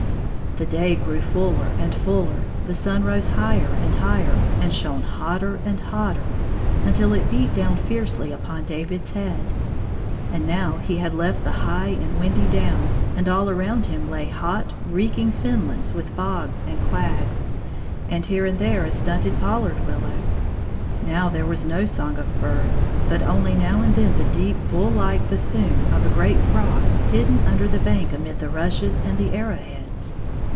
The day grew fuller and fiiller, the sun rose higher and higher, and shone hotter and hotter until it beat down fiercely upon David's head. And now he had left the high and windy downs, and all around him lay hot, reeking fenlands with bogs and quags, and here and there a stunted pollard willow. Now there was no song of birds, but only now and then the deep bull hke bassoon of a great frog hidden under the bank amid the rushes and the arrow heads.